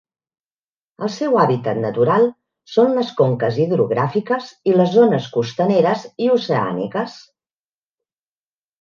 El seu hàbitat natural són les conques hidrogràfiques i les zones costaneres i oceàniques.